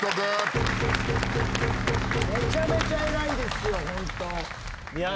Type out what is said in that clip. めちゃめちゃ偉いですよ